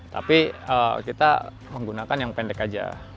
tapi kita menggunakan yang pendek aja